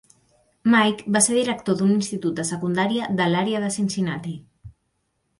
Mike va ser director d'un institut de secundària de l'àrea de Cincinnati.